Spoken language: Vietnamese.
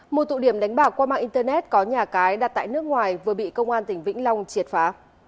một tụ điểm đánh bạc qua mạng internet có nhà cái đặt tại nước ngoài vừa bị công an tỉnh vĩnh long triệt phá